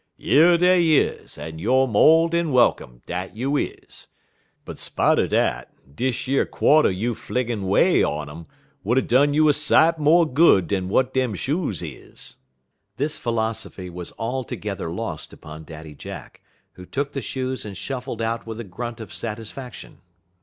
"Yer dey is, en youer mo' dan welcome, dat you is. But spite er dat, dis yer quarter you flingin' 'way on um would er done you a sight mo' good dan w'at dem shoes is." This philosophy was altogether lost upon Daddy Jack, who took the shoes and shuffled out with a grunt of satisfaction.